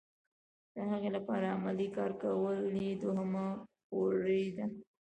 د هغې لپاره عملي کار کول یې دوهمه پوړۍ ده.